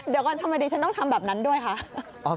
เดี๋ยวก่อนทำไมดิฉันต้องทำแบบนั้นด้วยคะ